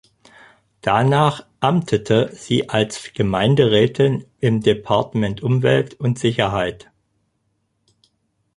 Danach amtete sie als Gemeinderätin im Departement Umwelt und Sicherheit.